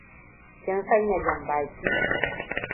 Kin sanya janbaki?